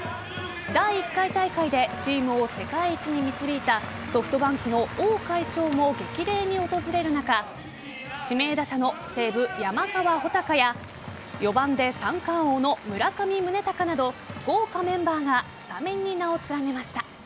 第１回大会でチームを世界一に導いたソフトバンクの王会長も激励に訪れる中指名打者の西武・山川穂高や４番で三冠王の村上宗隆など豪華メンバーがスタメンに名を連ねました。